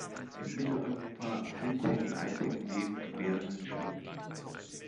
In Mitteleuropa sind sie die einzigen lebendgebärenden Schnecken.